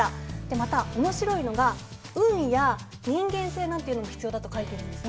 また面白いのが運や人間性なんていうのも必要だと書いてるんですね。